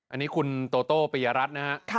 อันนี้คุณโตโต้ปิยรัฐนะฮะ